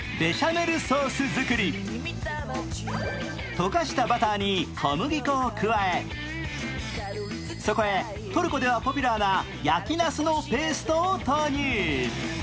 溶かしたバターに小麦粉を加えそこへ、トルコではポピュラーな焼きなすのペーストを投入。